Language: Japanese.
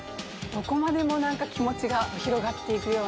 どこまでもなんか気持ちが広がっていくような。